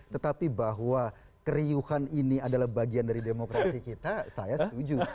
tetapi bahwa keriuhan ini adalah bagian dari demokrasi kita saya setuju